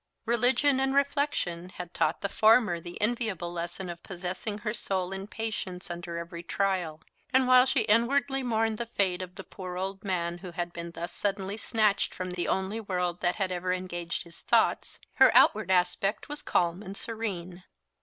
Religion and reflection had taught the former the enviable lesson of possessing her soul in patience under every trial; and while she inwardly mourned the fate of the poor old man who had been thus suddenly snatched from the only world that ever had engaged his thoughts, her outward aspect was calm and serene.